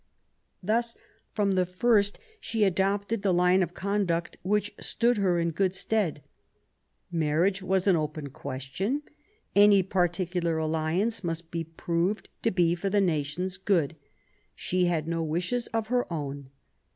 Thus, from the first, she adopted the line of conduct which stood her in good stead. Marriage was an open question ; any particular alliance must be proved to be for the nation's good ; she had no wishes of her own.